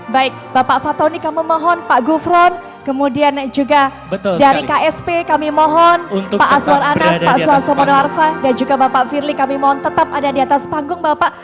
baik bapak fatoni kami mohon pak gufron kemudian juga dari ksp kami mohon pak aswar anas pak suarso monoarfa dan juga bapak firly kami mohon tetap ada di atas panggung bapak